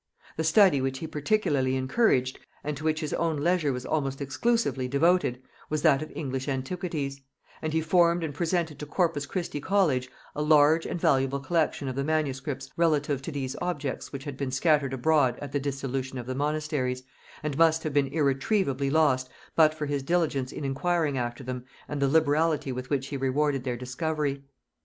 The study which he particularly encouraged, and to which his own leisure was almost exclusively devoted, was that of English antiquities; and he formed and presented to Corpus Christi college a large and valuable collection of the manuscripts relative to these objects which had been scattered abroad at the dissolution of the monasteries, and must have been irretrievably lost but for his diligence in inquiring after them and the liberality with which he rewarded their discovery.